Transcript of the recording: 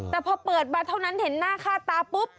แต่พอเปิดมาเท่านั้นเห็นหน้าค่าตาปุ๊บ